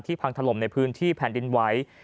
พังถล่มในพื้นที่แผ่นดินไหว